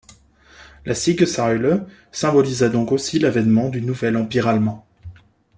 La Siegessäule symbolisa donc aussi l'avènement du nouvel Empire allemand.